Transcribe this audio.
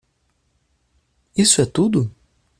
Isso é tudo?